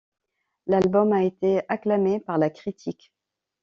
L'album a été acclamé par la critique.